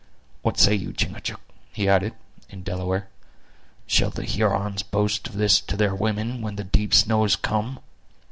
What say you, Chingachgook," he added, in Delaware; "shall the Hurons boast of this to their women when the deep snows come?"